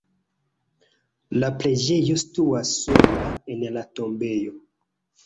La preĝejo situas sola en la tombejo.